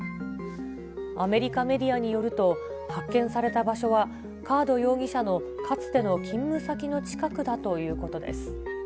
アメリカメディアによると、発見された場所はカード容疑者のかつての勤務先の近くだということです。